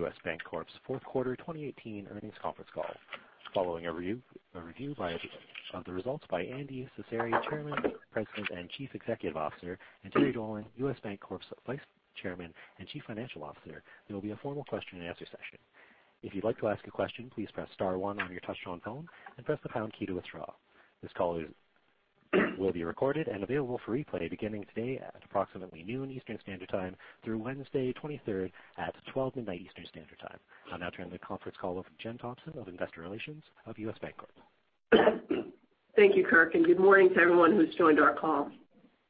U.S. Bancorp's fourth quarter 2018 earnings conference call. Following a review of the results by Andy Cecere, Chairman, President, and Chief Executive Officer, and Terry Dolan, U.S. Bancorp's Vice Chairman and Chief Financial Officer, there will be a formal question and answer session. If you'd like to ask a question, please press star one on your touch-tone phone and press the pound key to withdraw. This call will be recorded and available for replay beginning today at approximately noon Eastern Standard Time through Wednesday, the 23rd at twelve midnight Eastern Standard Time. I'll now turn the conference call over to Jen Thompson of Investor Relations of U.S. Bancorp. Thank you, Kirk. Good morning to everyone who's joined our call.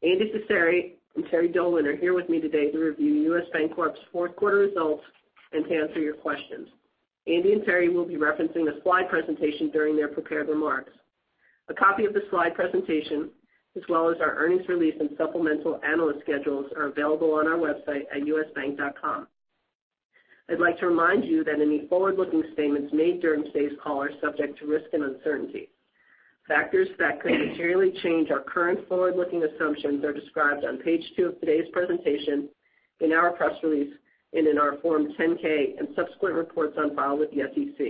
Andy Cecere and Terry Dolan are here with me today to review U.S. Bancorp's fourth quarter results and to answer your questions. Terry will be referencing a slide presentation during their prepared remarks. A copy of the slide presentation, as well as our earnings release and supplemental analyst schedules, are available on our website at usbank.com. I'd like to remind you that any forward-looking statements made during today's call are subject to risk and uncertainty. Factors that could materially change our current forward-looking assumptions are described on page two of today's presentation, in our press release, and in our Form 10-K and subsequent reports on file with the SEC.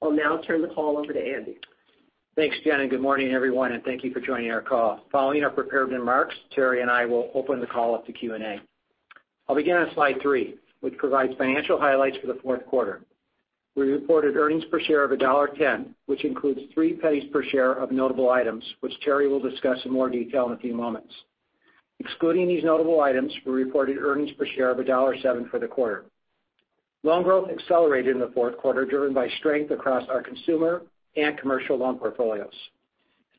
I'll now turn the call over to Andy. Thanks, Jen. Good morning, everyone. Thank you for joining our call. Following our prepared remarks, Terry and I will open the call up to Q&A. I'll begin on slide three, which provides financial highlights for the fourth quarter. We reported earnings per share of $1.10, which includes $0.03 per share of notable items, which Terry will discuss in more detail in a few moments. Excluding these notable items, we reported earnings per share of $1.07 for the quarter. Loan growth accelerated in the fourth quarter, driven by strength across our consumer and commercial loan portfolios.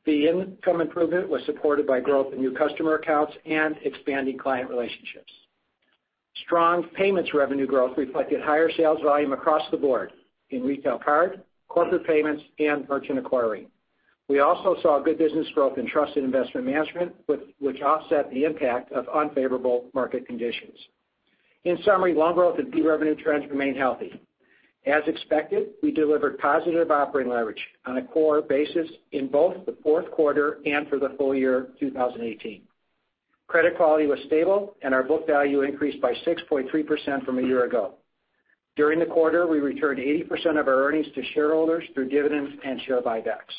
Fee income improvement was supported by growth in new customer accounts and expanding client relationships. Strong payments revenue growth reflected higher sales volume across the board, in retail card, corporate payments, and merchant acquiring. We also saw good business growth in trust and investment management, which offset the impact of unfavorable market conditions. In summary, loan growth and fee revenue trends remain healthy. As expected, we delivered positive operating leverage on a core basis in both the fourth quarter and for the full year 2018. Credit quality was stable, and our book value increased by 6.3% from a year ago. During the quarter, we returned 80% of our earnings to shareholders through dividends and share buybacks.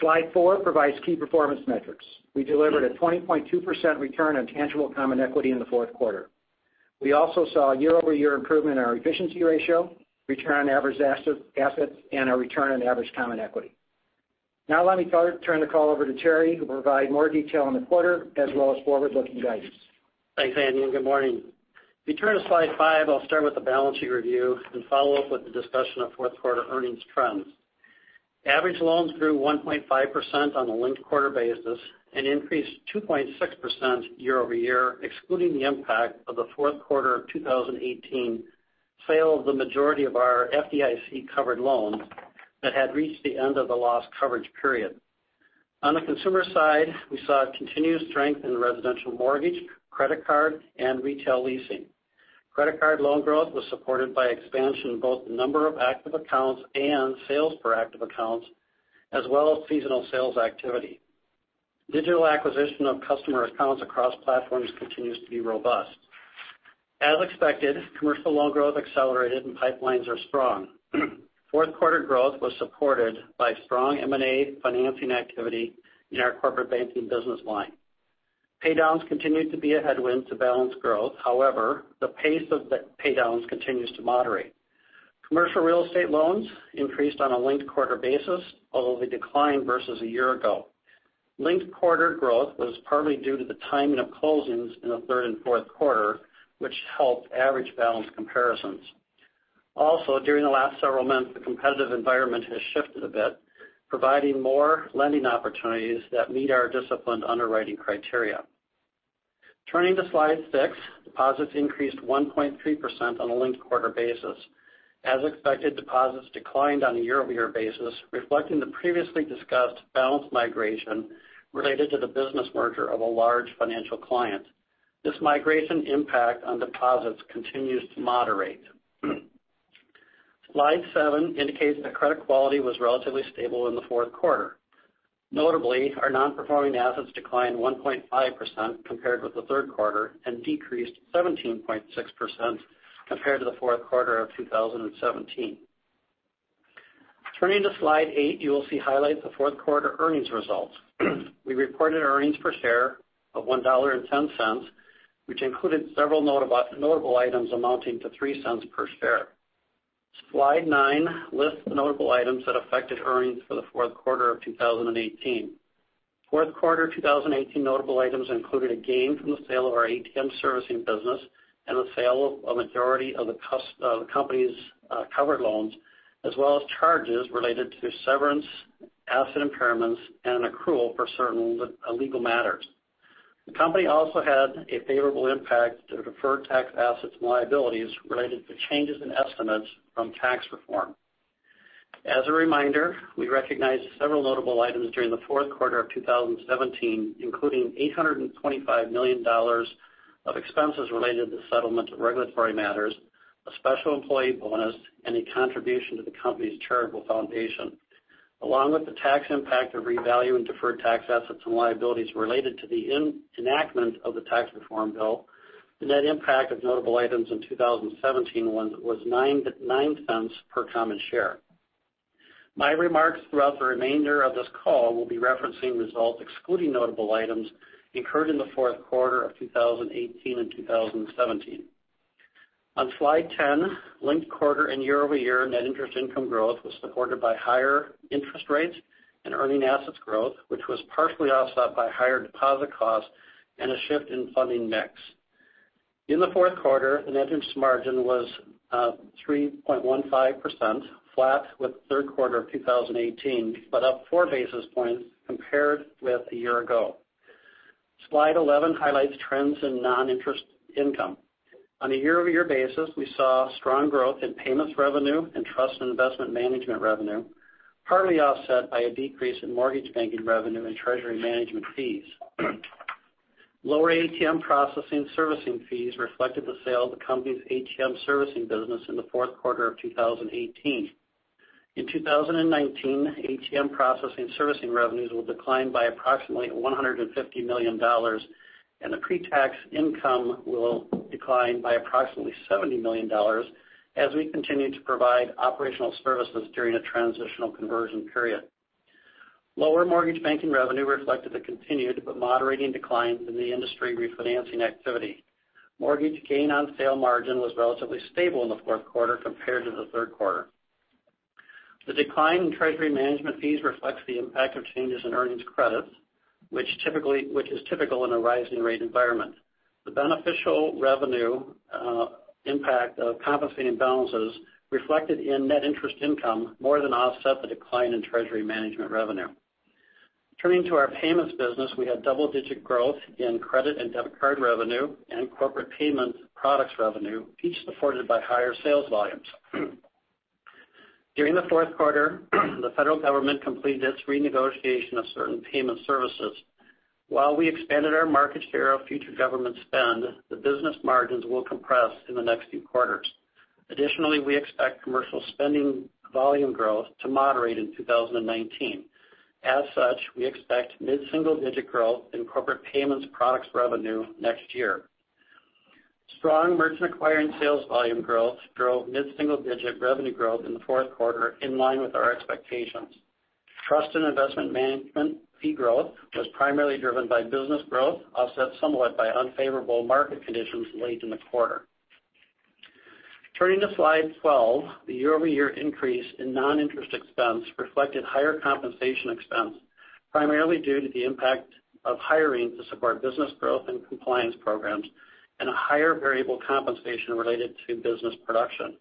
Slide four provides key performance metrics. We delivered a 20.2% return on tangible common equity in the fourth quarter. We also saw year-over-year improvement in our efficiency ratio, return on average assets, and our return on average common equity. Let me turn the call over to Terry, who will provide more detail on the quarter as well as forward-looking guidance. Thanks, Andy, and good morning. If you turn to slide five, I'll start with the balance sheet review and follow up with the discussion of fourth quarter earnings trends. Average loans grew 1.5% on a linked-quarter basis and increased 2.6% year-over-year, excluding the impact of the fourth quarter of 2018 sale of the majority of our FDIC-covered loans that had reached the end of the loss coverage period. On the consumer side, we saw continued strength in residential mortgage, credit card, and retail leasing. Credit card loan growth was supported by expansion in both the number of active accounts and sales per active accounts, as well as seasonal sales activity. Digital acquisition of customer accounts across platforms continues to be robust. As expected, commercial loan growth accelerated and pipelines are strong. Fourth-quarter growth was supported by strong M&A financing activity in our corporate banking business line. Paydowns continued to be a headwind to balance growth. The pace of the paydowns continues to moderate. Commercial real estate loans increased on a linked-quarter basis, although they declined versus a year ago. Linked-quarter growth was partly due to the timing of closings in the third and fourth quarter, which helped average balance comparisons. Also, during the last several months, the competitive environment has shifted a bit, providing more lending opportunities that meet our disciplined underwriting criteria. Turning to slide six, deposits increased 1.3% on a linked-quarter basis. As expected, deposits declined on a year-over-year basis, reflecting the previously discussed balance migration related to the business merger of a large financial client. This migration impact on deposits continues to moderate. Slide seven indicates that credit quality was relatively stable in the fourth quarter. Notably, our non-performing assets declined 1.5% compared with the third quarter and decreased 17.6% compared to the fourth quarter of 2017. Turning to slide eight, you will see highlights of fourth quarter earnings results. We reported earnings per share of $1.10, which included several notable items amounting to $0.03 per share. Slide nine lists the notable items that affected earnings for the fourth quarter of 2018. Fourth quarter 2018 notable items included a gain from the sale of our ATM servicing business and the sale of a majority of the company's covered loans, as well as charges related to severance, asset impairments, and an accrual for certain legal matters. The company also had a favorable impact to deferred tax assets and liabilities related to changes in estimates from Tax Reform. As a reminder, we recognized several notable items during the fourth quarter of 2017, including $825 million of expenses related to settlement of regulatory matters, a special employee bonus, and a contribution to the company's charitable foundation. Along with the tax impact of revaluing deferred tax assets and liabilities related to the enactment of the Tax Reform bill, the net impact of notable items in 2017 was $0.09 per common share. My remarks throughout the remainder of this call will be referencing results excluding notable items incurred in the fourth quarter of 2018 and 2017. On slide 10, linked quarter and year-over-year net interest income growth was supported by higher interest rates and earning assets growth, which was partially offset by higher deposit costs and a shift in funding mix. In the fourth quarter, the net interest margin was 3.15%, flat with the third quarter of 2018, but up four basis points compared with a year ago. Slide 11 highlights trends in non-interest income. On a year-over-year basis, we saw strong growth in payments revenue and trust and investment management revenue, partly offset by a decrease in mortgage banking revenue and treasury management fees. Lower ATM processing servicing fees reflected the sale of the company's ATM servicing business in the fourth quarter of 2018. In 2019, ATM processing servicing revenues will decline by approximately $150 million, and the pre-tax income will decline by approximately $70 million as we continue to provide operational services during a transitional conversion period. Lower mortgage banking revenue reflected the continued but moderating decline in the industry refinancing activity. Mortgage gain on sale margin was relatively stable in the fourth quarter compared to the third quarter. The decline in treasury management fees reflects the impact of changes in earnings credits, which is typical in a rising rate environment. The beneficial revenue impact of compensating balances reflected in net interest income more than offset the decline in treasury management revenue. Turning to our payments business, we had double-digit growth in credit and debit card revenue and corporate payment products revenue, each supported by higher sales volumes. During the fourth quarter, the federal government completed its renegotiation of certain payment services. While we expanded our market share of future government spend, the business margins will compress in the next few quarters. Additionally, we expect commercial spending volume growth to moderate in 2019. As such, we expect mid-single-digit growth in corporate payments products revenue next year. Strong merchant acquiring sales volume growth drove mid-single-digit revenue growth in the fourth quarter in line with our expectations. Trust and investment management fee growth was primarily driven by business growth, offset somewhat by unfavorable market conditions late in the quarter. Turning to slide 12, the year-over-year increase in non-interest expense reflected higher compensation expense, primarily due to the impact of hiring to support business growth and compliance programs, and a higher variable compensation related to business production.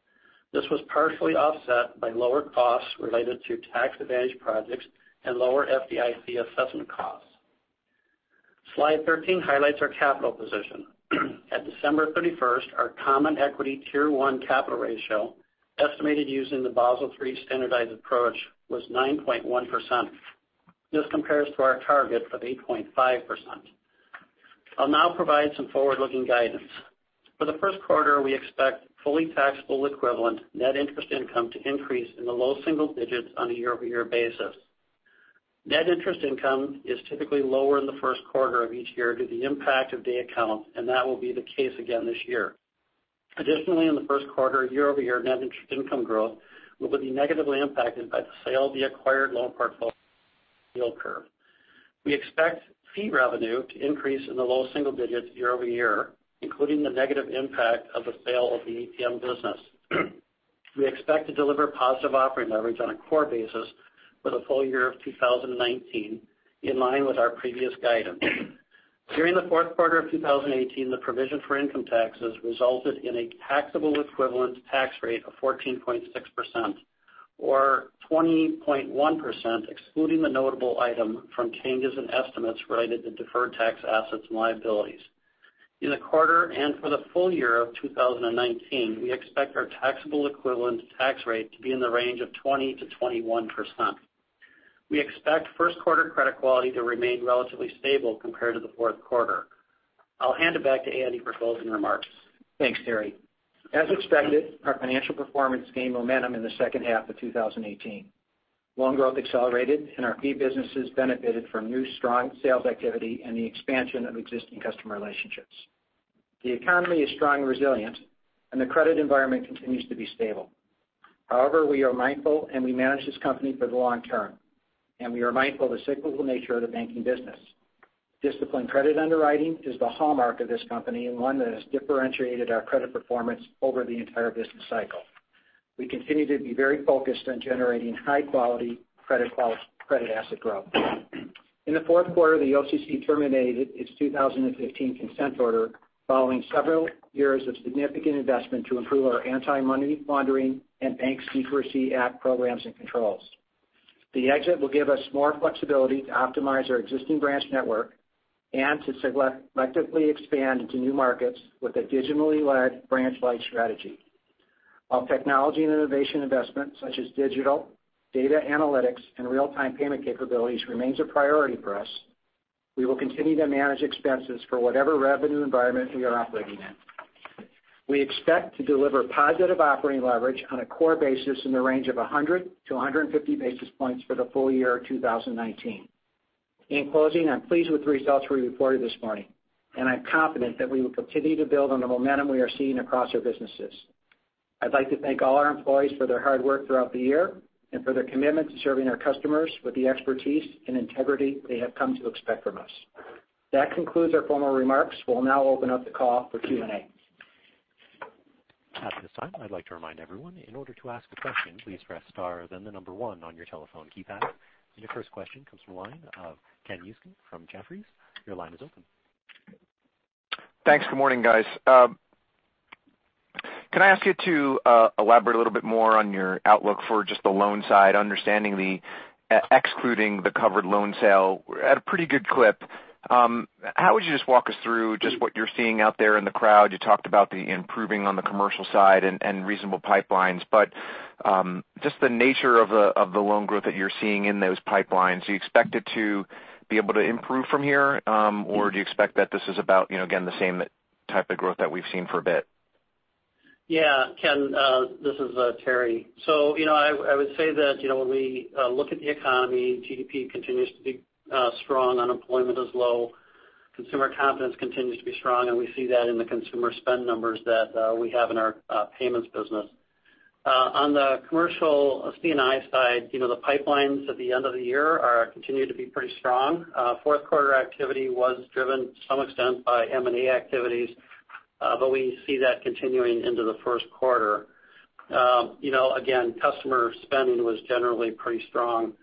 This was partially offset by lower costs related to tax advantage projects and lower FDIC assessment costs. Slide 13 highlights our capital position. At December 31st, our common equity Tier 1 capital ratio, estimated using the Basel III standardized approach, was 9.1%. This compares to our target of 8.5%. I'll now provide some forward-looking guidance. For the first quarter, we expect fully taxable equivalent net interest income to increase in the low single digits on a year-over-year basis. Net interest income is typically lower in the first quarter of each year due to the impact of day count, and that will be the case again this year. Additionally, in the first quarter, year-over-year net interest income growth will be negatively impacted by the sale of the acquired loan portfolio yield curve. We expect fee revenue to increase in the low single digits year-over-year, including the negative impact of the sale of the ATM business. We expect to deliver positive operating leverage on a core basis for the full year of 2019, in line with our previous guidance. During the fourth quarter of 2018, the provision for income taxes resulted in a taxable equivalent tax rate of 14.6%, or 20.1%, excluding the notable item from changes in estimates related to deferred tax assets and liabilities. In the quarter and for the full year of 2019, we expect our taxable equivalent tax rate to be in the range of 20%-21%. We expect first quarter credit quality to remain relatively stable compared to the fourth quarter. I'll hand it back to Andy for closing remarks. Thanks, Terry. As expected, our financial performance gained momentum in the second half of 2018. Loan growth accelerated, and our fee businesses benefited from new strong sales activity and the expansion of existing customer relationships. The economy is strong and resilient, and the credit environment continues to be stable. However, we are mindful and we manage this company for the long term, and we are mindful of the cyclical nature of the banking business. Disciplined credit underwriting is the hallmark of this company and one that has differentiated our credit performance over the entire business cycle. We continue to be very focused on generating high-quality credit asset growth. In the fourth quarter, the OCC terminated its 2015 consent order following several years of significant investment to improve our Anti-Money Laundering and Bank Secrecy Act programs and controls. The exit will give us more flexibility to optimize our existing branch network and to selectively expand into new markets with a digitally led branch-light strategy. While technology and innovation investments such as digital, data analytics, and real-time payment capabilities remains a priority for us, we will continue to manage expenses for whatever revenue environment we are operating in. We expect to deliver positive operating leverage on a core basis in the range of 100-150 basis points for the full year 2019. In closing, I'm pleased with the results we reported this morning, and I'm confident that we will continue to build on the momentum we are seeing across our businesses. I'd like to thank all our employees for their hard work throughout the year and for their commitment to serving our customers with the expertise and integrity they have come to expect from us. That concludes our formal remarks. We'll now open up the call for Q&A. At this time, I'd like to remind everyone, in order to ask a question, please press star then the number one on your telephone keypad. The first question comes from the line of Ken Usdin from Jefferies. Your line is open. Thanks. Good morning, guys. Can I ask you to elaborate a little bit more on your outlook for just the loan side? Understanding excluding the covered loan sale at a pretty good clip. How would you just walk us through just what you're seeing out there in the crowd? You talked about the improving on the commercial side and reasonable pipelines, just the nature of the loan growth that you're seeing in those pipelines. Do you expect it to be able to improve from here? Do you expect that this is about, again, the same type of growth that we've seen for a bit? Yeah. Ken, this is Terry. I would say that when we look at the economy, GDP continues to be strong. Unemployment is low. Consumer confidence continues to be strong, and we see that in the consumer spend numbers that we have in our payments business. On the commercial C&I side, the pipelines at the end of the year continue to be pretty strong. Fourth quarter activity was driven to some extent by M&A activities. We see that continuing into the first quarter. Again, customer spending was generally pretty strong.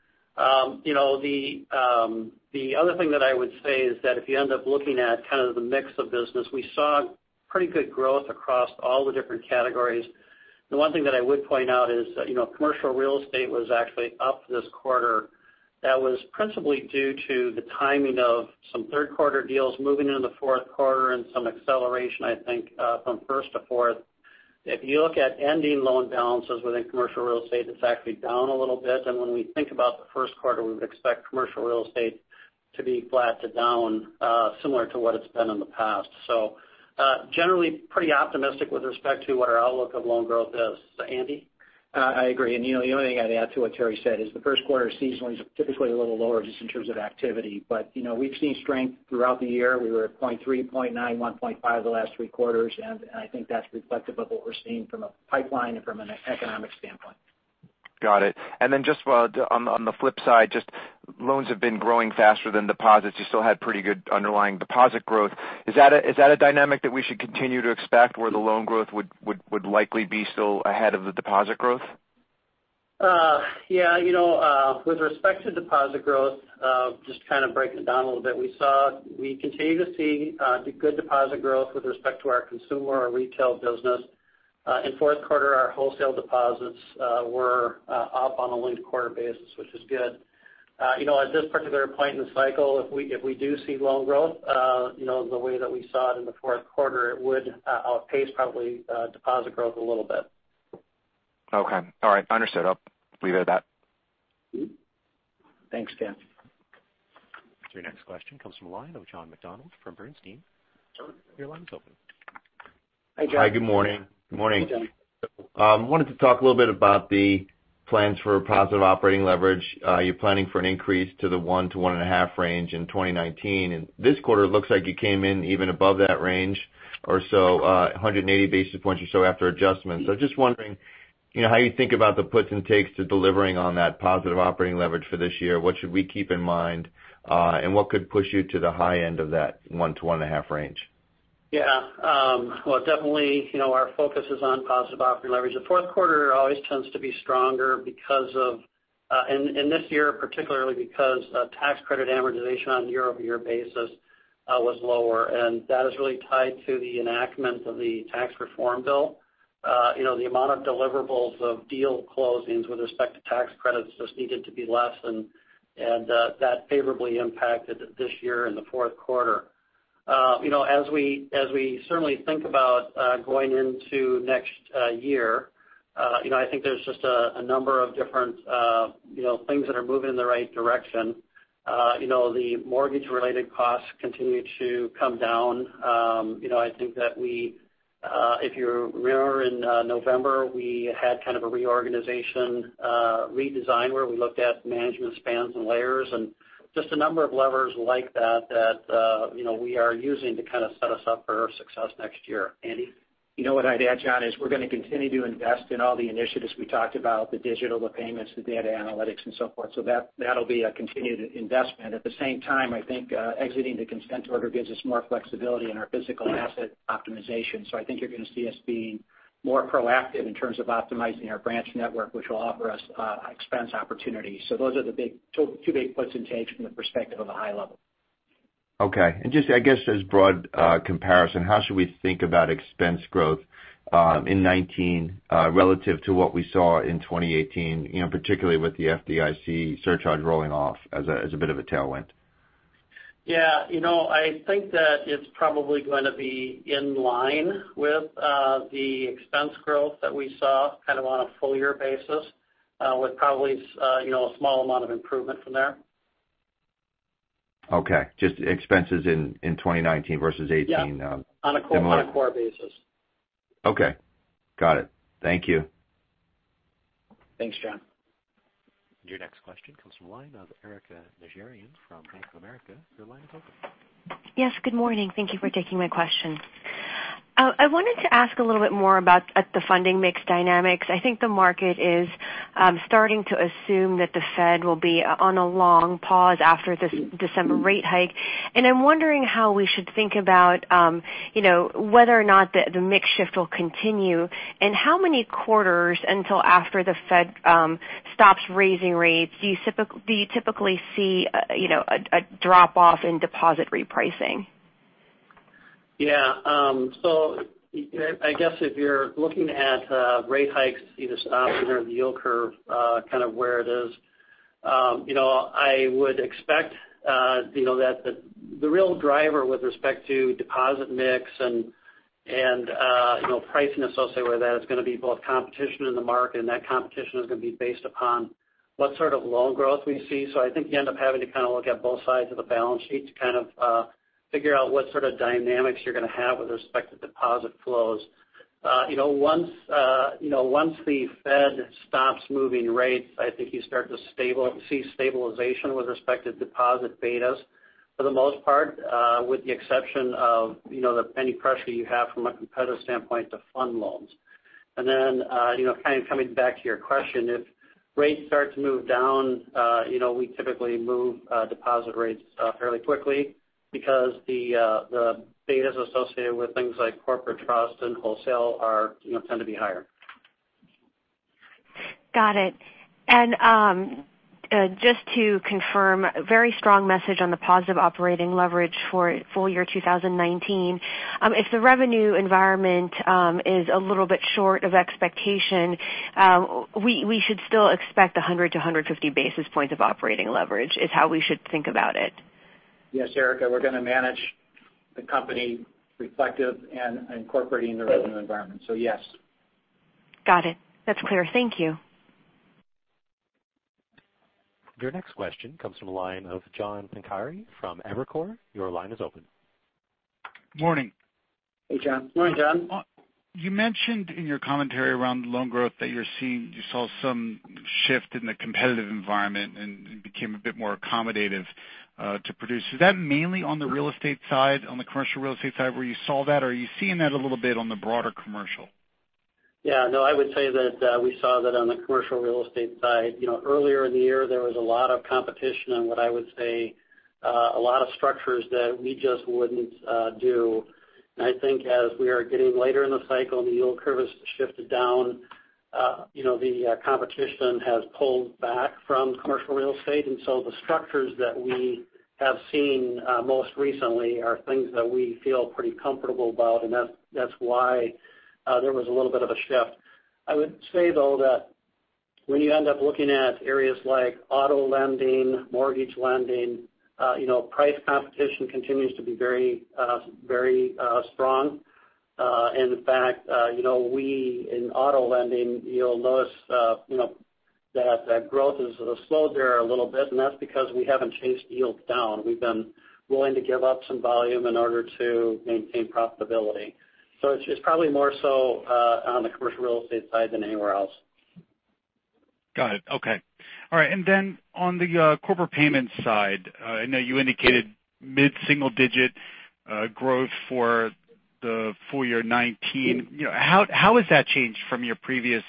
The other thing that I would say is that if you end up looking at kind of the mix of business, we saw pretty good growth across all the different categories. The one thing that I would point out is commercial real estate was actually up this quarter. That was principally due to the timing of some third-quarter deals moving into the fourth quarter and some acceleration, I think, from first to fourth. If you look at ending loan balances within commercial real estate, it's actually down a little bit. When we think about the first quarter, we would expect commercial real estate to be flat to down, similar to what it's been in the past. Generally pretty optimistic with respect to what our outlook of loan growth is. Andy? I agree. The only thing I'd add to what Terry said is the first quarter seasonally is typically a little lower just in terms of activity. We've seen strength throughout the year. We were at 0.3, 0.9, 1.5 the last three quarters, and I think that's reflective of what we're seeing from a pipeline and from an economic standpoint. Got it. Then just on the flip side, just loans have been growing faster than deposits. You still had pretty good underlying deposit growth. Is that a dynamic that we should continue to expect where the loan growth would likely be still ahead of the deposit growth? Yeah. With respect to deposit growth, just kind of breaking it down a little bit, we continue to see the good deposit growth with respect to our consumer, our retail business. In fourth quarter, our wholesale deposits were up on a linked-quarter basis, which is good. At this particular point in the cycle, if we do see loan growth, the way that we saw it in the fourth quarter, it would outpace probably deposit growth a little bit. Okay. All right. Understood. I'll leave it at that. Thanks, Ken. Your next question comes from the line of John McDonald from Bernstein. Your line is open. Hi, John. Hi, good morning. Good morning. I wanted to talk a little bit about the plans for positive operating leverage. You're planning for an increase to the 1%-1.5% range in 2019. This quarter, it looks like you came in even above that range or so, 180 basis points or so after adjustments. Just wondering how you think about the puts and takes to delivering on that positive operating leverage for this year. What should we keep in mind? What could push you to the high end of that 1%-1.5% range? Definitely, our focus is on positive operating leverage. The fourth quarter always tends to be stronger because this year, particularly because tax credit amortization on a year-over-year basis was lower. That is really tied to the enactment of the Tax Reform bill. The amount of deliverables of deal closings with respect to tax credits just needed to be less and that favorably impacted this year in the fourth quarter. We certainly think about going into next year, there's just a number of different things that are moving in the right direction. The mortgage-related costs continue to come down. If you remember in November, we had kind of a reorganization redesign where we looked at management spans and layers and just a number of levers like that we are using to kind of set us up for success next year. Andy? What I'd add, John, is we're going to continue to invest in all the initiatives we talked about, the digital, the payments, the data analytics, and so forth. That'll be a continued investment. At the same time, I think exiting the consent order gives us more flexibility in our physical asset optimization. I think you're going to see us being more proactive in terms of optimizing our branch network, which will offer us expense opportunities. Those are the two big puts and takes from the perspective of the high level. Okay. Just I guess as broad comparison, how should we think about expense growth in 2019 relative to what we saw in 2018, particularly with the FDIC surcharge rolling off as a bit of a tailwind? Yeah. I think that it's probably going to be in line with the expense growth that we saw kind of on a full-year basis, with probably a small amount of improvement from there. Okay. Just expenses in 2019 versus 2018. Yeah. On a core basis. Okay. Got it. Thank you. Thanks, John. Your next question comes from the line of Erika Najarian from Bank of America. Your line is open. Yes, good morning. Thank you for taking my question. I wanted to ask a little bit more about the funding mix dynamics. I think the market is starting to assume that the Fed will be on a long pause after the December rate hike, and I'm wondering how we should think about whether or not the mix shift will continue, and how many quarters until after the Fed stops raising rates do you typically see a drop-off in deposit repricing? Yeah. I guess if you're looking at rate hikes either stopping or the yield curve where it is, I would expect that the real driver with respect to deposit mix and pricing associated with that is going to be both competition in the market, and that competition is going to be based upon what sort of loan growth we see. I think you end up having to look at both sides of the balance sheet to figure out what sort of dynamics you're going to have with respect to deposit flows. Once the Fed stops moving rates, I think you start to see stabilization with respect to deposit betas for the most part with the exception of any pressure you have from a competitive standpoint to fund loans. Kind of coming back to your question, if rates start to move down, we typically move deposit rates fairly quickly because the betas associated with things like corporate trust and wholesale tend to be higher. Got it. Just to confirm, very strong message on the positive operating leverage for full year 2019. If the revenue environment is a little bit short of expectation, we should still expect 100-150 basis points of operating leverage, is how we should think about it. Yes, Erika, we're going to manage the company reflective and incorporating the revenue environment. Yes. Got it. That's clear. Thank you. Your next question comes from the line of John Pancari from Evercore. Your line is open. Morning. Hey, John. Morning, John. You mentioned in your commentary around loan growth that you saw some shift in the competitive environment. It became a bit more accommodative to produce. Is that mainly on the real estate side, on the commercial real estate side where you saw that? Are you seeing that a little bit on the broader commercial? Yeah, no. I would say that we saw that on the commercial real estate side. Earlier in the year, there was a lot of competition on what I would say a lot of structures that we just wouldn't do. I think as we are getting later in the cycle, and the yield curve has shifted down, the competition has pulled back from commercial real estate. The structures that we have seen most recently are things that we feel pretty comfortable about, and that's why there was a little bit of a shift. I would say, though, that when you end up looking at areas like auto lending, mortgage lending, price competition continues to be very strong. In fact, we in auto lending, you'll notice that growth has slowed there a little bit, and that's because we haven't chased yields down. We've been willing to give up some volume in order to maintain profitability. It's probably more so on the commercial real estate side than anywhere else. Got it. Okay. All right. On the corporate payments side, I know you indicated mid-single-digit growth for the full year 2019. How has that changed from your previous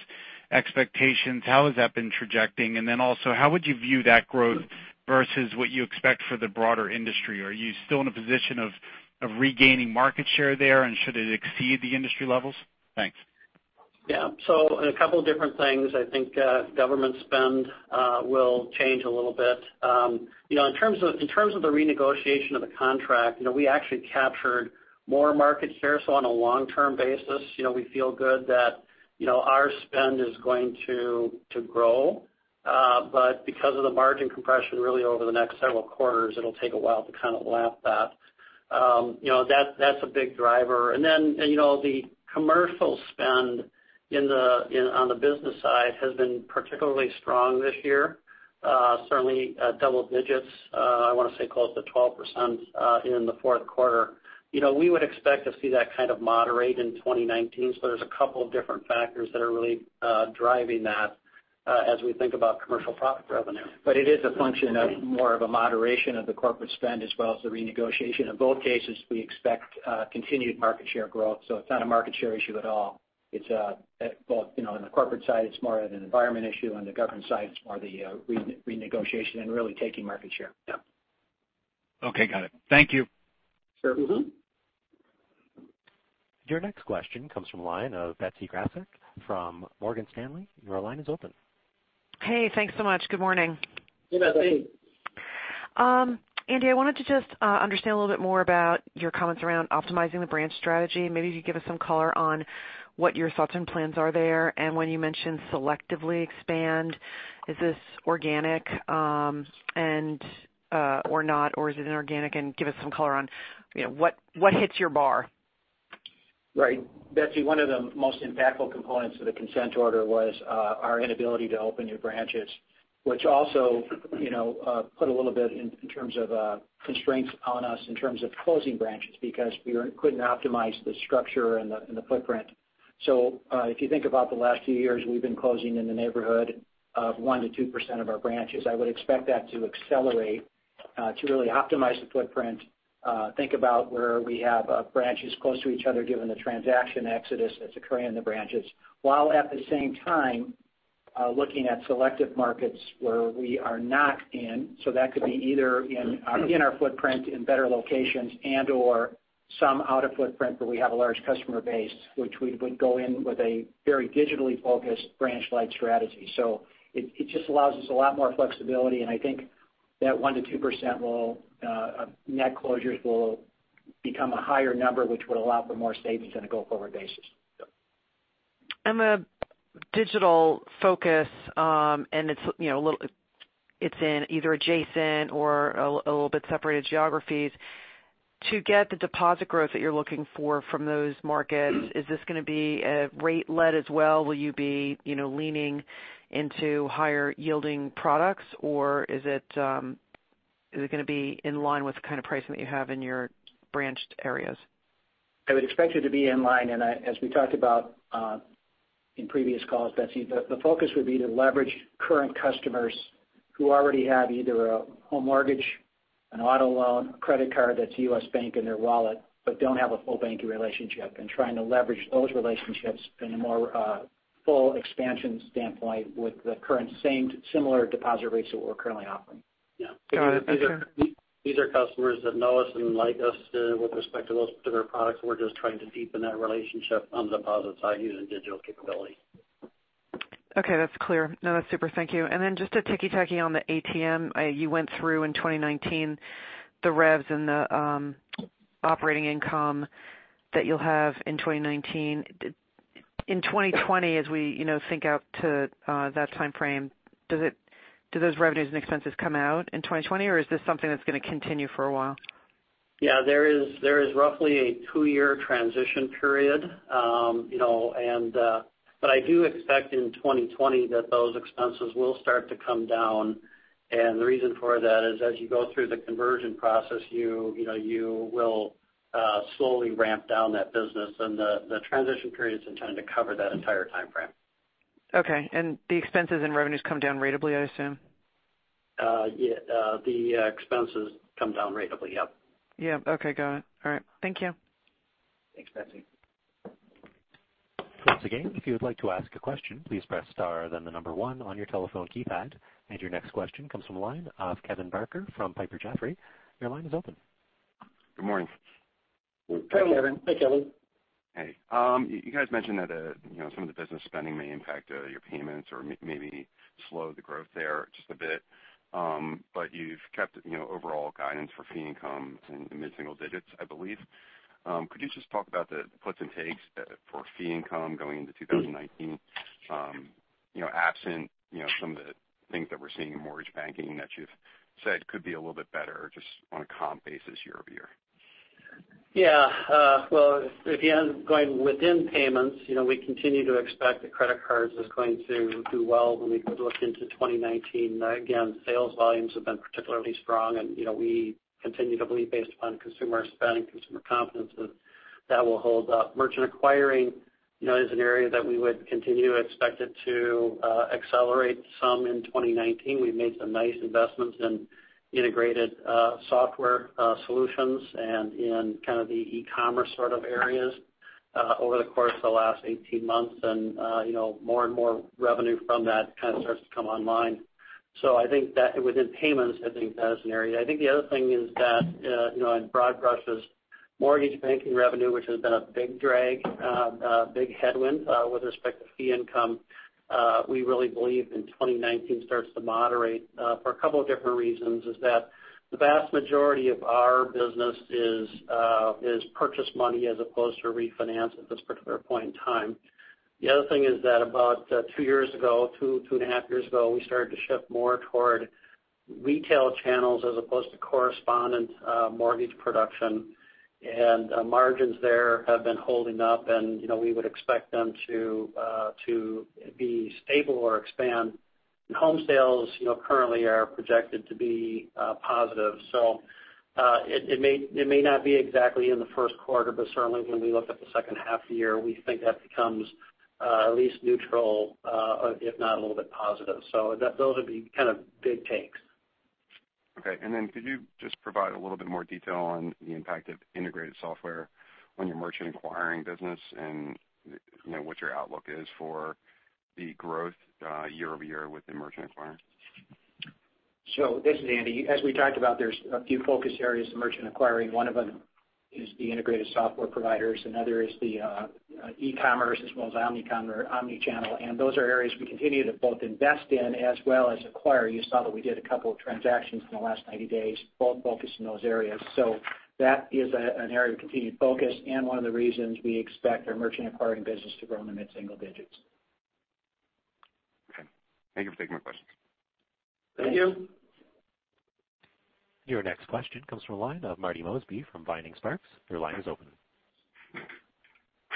expectations? How has that been trajecting? Also, how would you view that growth versus what you expect for the broader industry? Are you still in a position of regaining market share there? Should it exceed the industry levels? Thanks. Yeah. A couple of different things. I think government spend will change a little bit. In terms of the renegotiation of the contract, we actually captured more market share. On a long-term basis we feel good that our spend is going to grow. Because of the margin compression really over the next several quarters, it will take a while to kind of lap that. That's a big driver. The commercial spend on the business side has been particularly strong this year. Certainly double-digits. I want to say close to 12% in the fourth quarter. We would expect to see that kind of moderate in 2019. There's a couple of different factors that are really driving that as we think about commercial profit revenue. It is a function of more of a moderation of the corporate spend as well as the renegotiation. In both cases, we expect continued market share growth. It is not a market share issue at all. On the corporate side, it is more of an environment issue. On the government side, it is more the renegotiation and really taking market share. Yeah. Okay, got it. Thank you. Sure. Your next question comes from the line of Betsy Graseck from Morgan Stanley. Your line is open. Hey, thanks so much. Good morning. Hey, Betsy. Andy, I wanted to just understand a little bit more about your comments around optimizing the branch strategy. Maybe if you could give us some color on what your thoughts and plans are there. When you mentioned selectively expand, is this organic or not, or is it inorganic? Give us some color on what hits your bar. Right. Betsy, one of the most impactful components of the consent order was our inability to open new branches, which also put a little bit in terms of constraints on us in terms of closing branches because we couldn't optimize the structure and the footprint. If you think about the last few years, we've been closing in the neighborhood of 1%-2% of our branches. I would expect that to accelerate to really optimize the footprint. Think about where we have branches close to each other, given the transaction exodus that's occurring in the branches, while at the same time looking at selective markets where we are not in. That could be either in our footprint in better locations and/or some out of footprint where we have a large customer base, which we would go in with a very digitally focused branch-like strategy. It just allows us a lot more flexibility, and I think that 1%-2% net closures will become a higher number, which would allow for more savings on a go-forward basis. On the digital focus, it's in either adjacent or a little bit separated geographies. To get the deposit growth that you're looking for from those markets, is this going to be rate-led as well? Will you be leaning into higher yielding products, or is it going to be in line with the kind of pricing that you have in your branched areas? I would expect it to be in line. As we talked about in previous calls, Betsy, the focus would be to leverage current customers who already have either a home mortgage, an auto loan, a credit card that's U.S. Bank in their wallet, but don't have a full banking relationship, and trying to leverage those relationships in a more full expansion standpoint with the current same similar deposit rates that we're currently offering. Got it. That's clear. These are customers that know us and like us with respect to those particular products. We're just trying to deepen that relationship on the deposit side using digital capability. Okay, that's clear. That's super. Thank you. Just a ticky-tacky on the ATM. You went through in 2019 the revs and the Operating income that you'll have in 2019. In 2020, as we think out to that timeframe, do those revenues and expenses come out in 2020 or is this something that's going to continue for a while? There is roughly a two-year transition period. I do expect in 2020 that those expenses will start to come down, and the reason for that is as you go through the conversion process, you will slowly ramp down that business and the transition periods intended to cover that entire timeframe. Okay. The expenses and revenues come down ratably, I assume? The expenses come down ratably, yep. Yep. Okay, got it. All right. Thank you. Thanks, Betsy. Once again, if you would like to ask a question, please press star then the number one on your telephone keypad. Your next question comes from the line of Kevin Barker from Piper Jaffray. Your line is open. Good morning. Hi, Kevin. Hi, Kevin. Hey. You guys mentioned that some of the business spending may impact your payments or maybe slow the growth there just a bit. You've kept overall guidance for fee income in the mid-single digits, I believe. Could you just talk about the puts and takes for fee income going into 2019? Absent some of the things that we're seeing in mortgage banking that you've said could be a little bit better just on a comp basis year-over-year. Yeah. Well, again, going within payments, we continue to expect that credit cards is going to do well when we look into 2019. Again, sales volumes have been particularly strong, and we continue to believe based upon consumer spending, consumer confidence, that that will hold up. Merchant acquiring is an area that we would continue to expect it to accelerate some in 2019. We've made some nice investments in integrated software solutions and in kind of the e-commerce sort of areas over the course of the last 18 months, and more and more revenue from that kind of starts to come online. I think that within payments, I think that is an area. I think the other thing is that in broad brushes, mortgage banking revenue, which has been a big drag, a big headwind with respect to fee income, we really believe in 2019 starts to moderate for a couple of different reasons is that the vast majority of our business is purchase money as opposed to refinance at this particular point in time. The other thing is that about two years ago, two and a half years ago, we started to shift more toward retail channels as opposed to correspondent mortgage production. Margins there have been holding up, and we would expect them to be stable or expand. Home sales currently are projected to be positive. It may not be exactly in the first quarter, but certainly when we look at the second half of the year, we think that becomes at least neutral if not a little bit positive. Those would be kind of big takes. Okay. Then could you just provide a little bit more detail on the impact of integrated software on your merchant acquiring business and what your outlook is for the growth year-over-year within merchant acquiring? This is Andy. As we talked about, there's a few focus areas to merchant acquiring. One of them is the integrated software providers. Another is the e-commerce as well as omnichannel. Those are areas we continue to both invest in as well as acquire. You saw that we did a couple of transactions in the last 90 days, both focused in those areas. That is an area of continued focus and one of the reasons we expect our merchant acquiring business to grow in the mid-single digits. Thank you for taking my question. Thank you. Your next question comes from the line of Marty Mosby from Vining Sparks. Your line is open.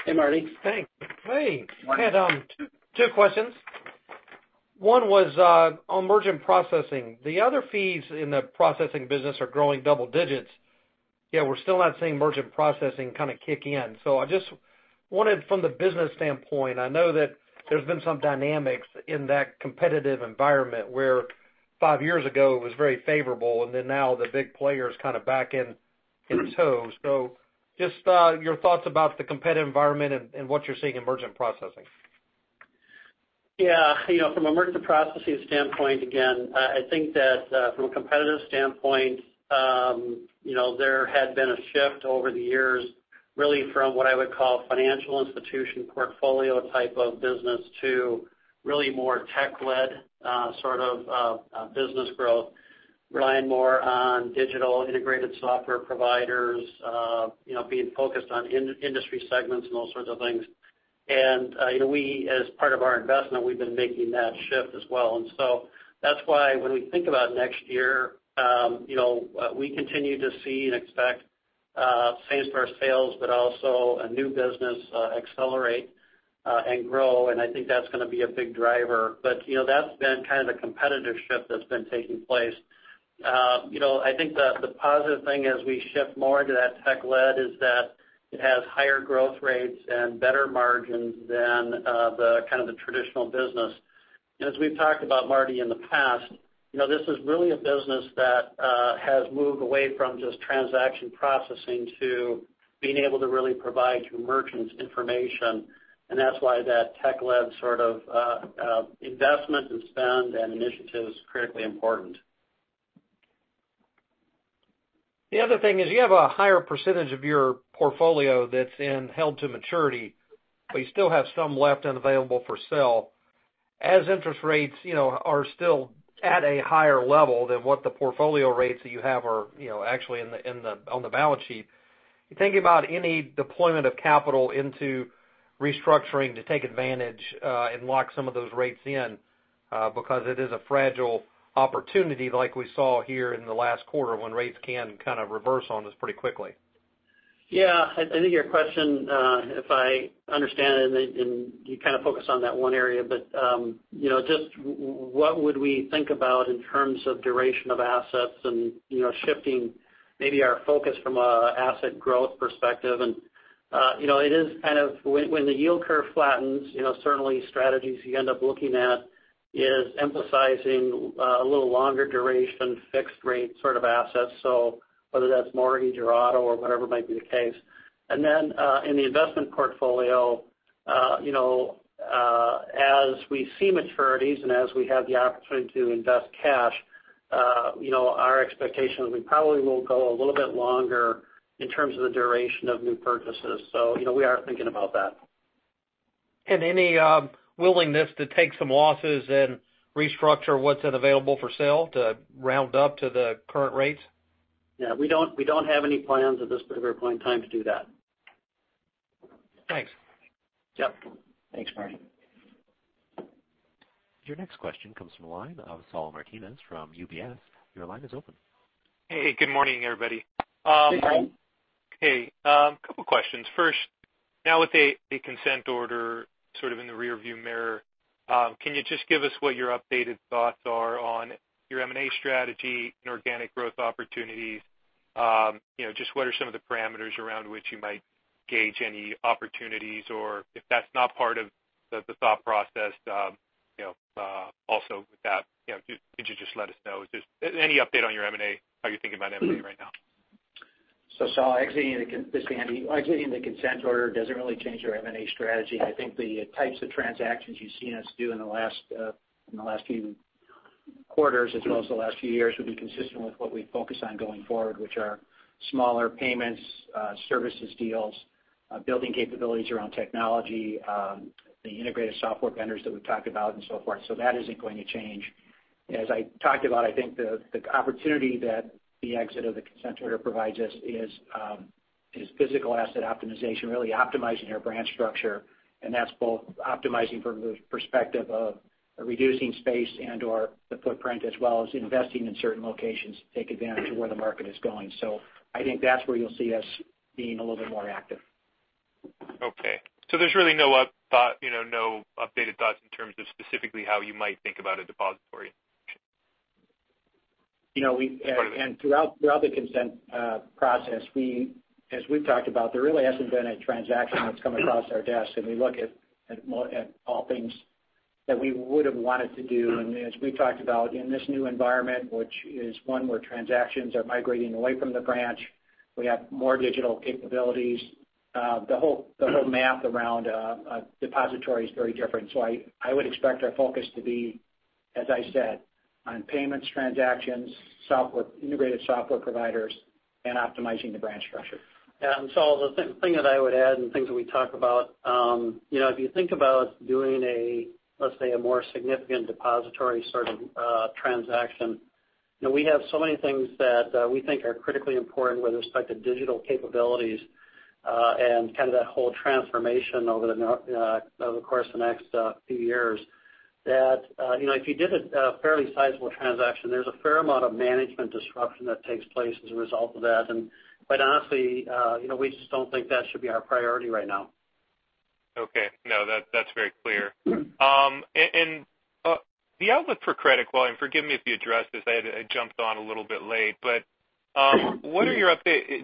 Hey, Marty. Hey. I had two questions. One was on merchant processing. The other fees in the processing business are growing double-digits, yet we're still not seeing merchant processing kind of kick in. I just wanted from the business standpoint, I know that there's been some dynamics in that competitive environment where five years ago it was very favorable, now the big player's kind of back in tow. Just your thoughts about the competitive environment and what you're seeing in merchant processing. Yeah. From a merchant processing standpoint, again, I think that from a competitive standpoint there had been a shift over the years, really from what I would call financial institution portfolio type of business, to really more tech-led sort of business growth, relying more on digital integrated software providers, being focused on industry segments and those sorts of things. As part of our investment, we've been making that shift as well. That's why when we think about next year, we continue to see and expect same-store sales, also a new business accelerate and grow. I think that's going to be a big driver. That's been kind of the competitive shift that's been taking place. I think the positive thing as we shift more into that tech-led is that it has higher growth rates and better margins than the kind of the traditional business. As we've talked about, Marty, in the past, this is really a business that has moved away from just transaction processing to being able to really provide to merchants information. That's why that tech-led sort of investment and spend and initiative is critically important. The other thing is you have a higher percentage of your portfolio that's in held to maturity, but you still have some left and available for sale. Interest rates are still at a higher level than what the portfolio rates that you have are actually on the balance sheet. You think about any deployment of capital into restructuring to take advantage and lock some of those rates in because it is a fragile opportunity like we saw here in the last quarter when rates can kind of reverse on us pretty quickly. Yeah. I think your question, if I understand it, you kind of focus on that one area, but just what would we think about in terms of duration of assets and shifting maybe our focus from an asset growth perspective. When the yield curve flattens, certainly strategies you end up looking at is emphasizing a little longer duration, fixed rate sort of assets. Whether that's mortgage or auto or whatever might be the case. Then, in the investment portfolio, as we see maturities and as we have the opportunity to invest cash, our expectation is we probably will go a little bit longer in terms of the duration of new purchases. We are thinking about that. Any willingness to take some losses and restructure what's available for sale to round up to the current rates? Yeah, we don't have any plans at this particular point in time to do that. Thanks. Yep. Thanks, Marty. Your next question comes from the line of Saul Martinez from UBS. Your line is open. Hey, good morning, everybody. Good morning. Hey. Couple questions. First, now with the consent order sort of in the rear-view mirror, can you just give us what your updated thoughts are on your M&A strategy and organic growth opportunities? What are some of the parameters around which you might gauge any opportunities? If that's not part of the thought process, also with that, could you just let us know? Any update on your M&A, how you're thinking about M&A right now? Saul, exiting the consent order doesn't really change our M&A strategy. I think the types of transactions you've seen us do in the last few quarters, as well as the last few years, would be consistent with what we focus on going forward, which are smaller payments, services deals, building capabilities around technology, the integrated software vendors that we've talked about and so forth. That isn't going to change. As I talked about, I think the opportunity that the exit of the consent order provides us is physical asset optimization, really optimizing our branch structure, and that's both optimizing from the perspective of reducing space and/or the footprint, as well as investing in certain locations to take advantage of where the market is going. I think that's where you'll see us being a little bit more active. Okay. There's really no updated thoughts in terms of specifically how you might think about a depository? Throughout the consent process, as we've talked about, there really hasn't been a transaction that's come across our desk that we look at all things that we would've wanted to do. As we've talked about in this new environment, which is one where transactions are migrating away from the branch, we have more digital capabilities. The whole math around a depository is very different. I would expect our focus to be, as I said, on payments, transactions, integrated software providers, and optimizing the branch structure. Saul, the thing that I would add and things that we talk about, if you think about doing, let's say, a more significant depository sort of transaction. We have so many things that we think are critically important with respect to digital capabilities and kind of that whole transformation over the course of the next few years that, if you did a fairly sizable transaction, there's a fair amount of management disruption that takes place as a result of that. Quite honestly, we just don't think that should be our priority right now. Okay. No, that's very clear. The outlook for credit quality. Forgive me if you addressed this, I jumped on a little bit late. Sure.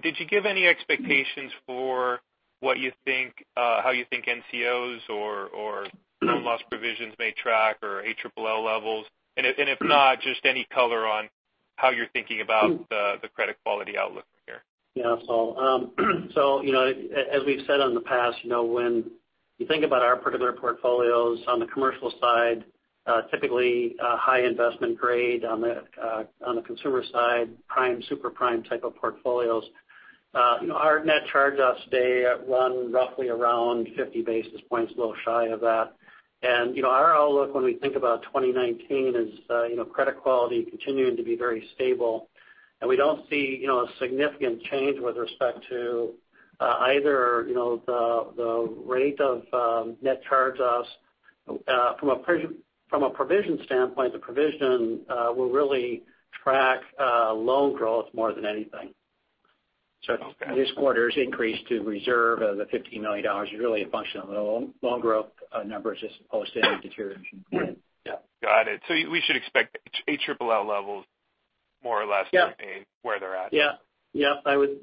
Did you give any expectations for how you think NCOs or loan loss provisions may track or ALL levels? If not, just any color on how you're thinking about the credit quality outlook here. Yeah. As we've said in the past, when you think about our particular portfolios on the commercial side, typically a high investment grade on the consumer side, prime, super prime type of portfolios. Our net charge-offs today run roughly around 50 basis points, a little shy of that. Our outlook when we think about 2019 is credit quality continuing to be very stable, and we don't see a significant change with respect to either the rate of net charge-offs. From a provision standpoint, the provision will really track loan growth more than anything. Okay. This quarter's increase to reserve of the $15 million is really a function of the loan growth numbers as opposed to any deterioration in credit. Yeah. Got it. We should expect ALL levels more or less. Yeah. Staying where they're at. Yeah. I would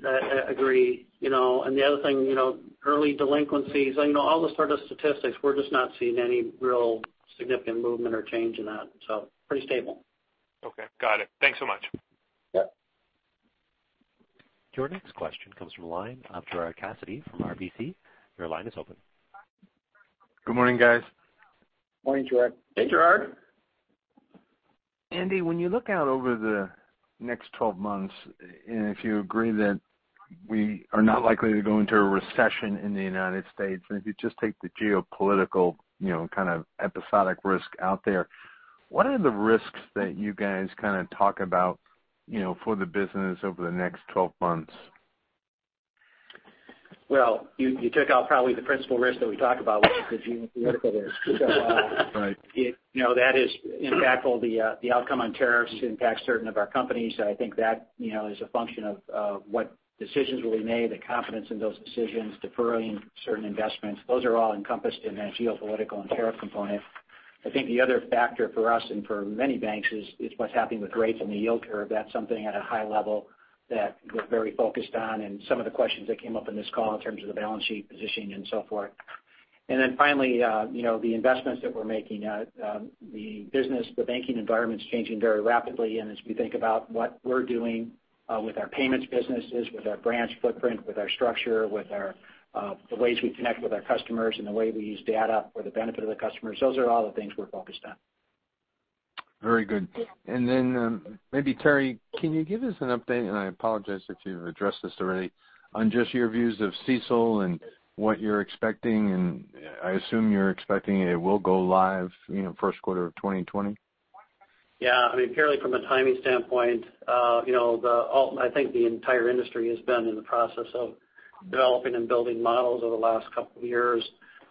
agree. The other thing, early delinquencies and all those sort of statistics, we're just not seeing any real significant movement or change in that. Pretty stable. Okay. Got it. Thanks so much. Yeah. Your next question comes from the line of Gerard Cassidy from RBC. Your line is open. Good morning, guys. Morning, Gerard. Hey, Gerard. Andy, when you look out over the next 12 months, if you agree that we are not likely to go into a recession in the United States, if you just take the geopolitical kind of episodic risk out there, what are the risks that you guys kind of talk about for the business over the next 12 months? Well, you took out probably the principal risk that we talk about was the geopolitical risk. Right. That is impactful. The outcome on tariffs impacts certain of our companies. I think that is a function of what decisions will be made, the confidence in those decisions, deferring certain investments. Those are all encompassed in that geopolitical and tariff component. I think the other factor for us and for many banks is what's happening with rates and the yield curve. That's something at a high level that we're very focused on and some of the questions that came up in this call in terms of the balance sheet positioning and so forth. Finally, the investments that we're making. The business, the banking environment's changing very rapidly. As we think about what we're doing with our payments businesses, with our branch footprint, with our structure, with the ways we connect with our customers, and the way we use data for the benefit of the customers, those are all the things we're focused on. Very good. Maybe Terry, can you give us an update, and I apologize if you've addressed this already, on just your views of CECL and what you're expecting, and I assume you're expecting it will go live first quarter of 2020? Yeah. I mean, purely from a timing standpoint, I think the entire industry has been in the process of developing and building models over the last couple of years.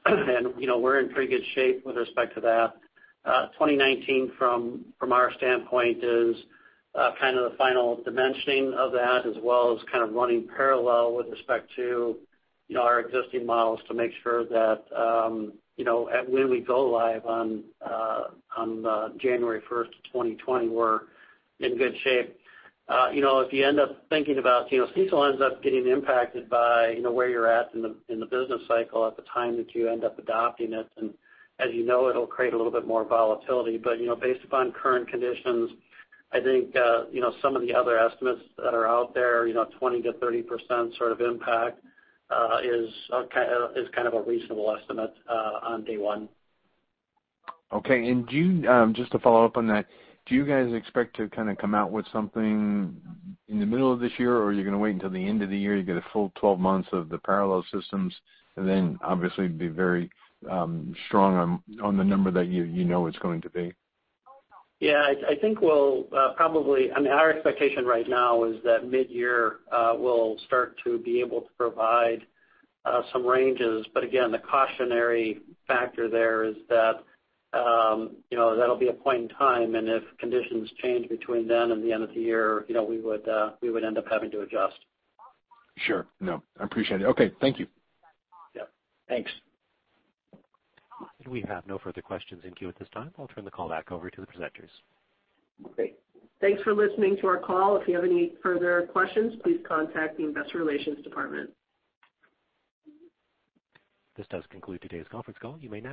We're in pretty good shape with respect to that. 2019 from our standpoint is kind of the final dimensioning of that, as well as kind of running parallel with respect to our existing models to make sure that when we go live on January 1st, 2020, we're in good shape. If you end up thinking about CECL ends up getting impacted by where you're at in the business cycle at the time that you end up adopting it, as you know, it'll create a little bit more volatility. Based upon current conditions, I think some of the other estimates that are out there, 20%-30% sort of impact is kind of a reasonable estimate on day one. Okay. Just to follow up on that, do you guys expect to kind of come out with something in the middle of this year, or are you going to wait until the end of the year to get a full 12 months of the parallel systems and then obviously be very strong on the number that you know it's going to be? Yeah. Our expectation right now is that midyear, we'll start to be able to provide some ranges. Again, the cautionary factor there is that'll be a point in time, and if conditions change between then and the end of the year, we would end up having to adjust. Sure. No, I appreciate it. Okay. Thank you. Yeah. Thanks. We have no further questions in queue at this time. I'll turn the call back over to the presenters. Great. Thanks for listening to our call. If you have any further questions, please contact the investor relations department. This does conclude today's conference call. You may now disconnect.